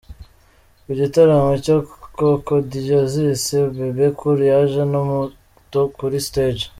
Mu gitaramo cya Kokodiosis Bebe Cool yaje na moto kuri stage.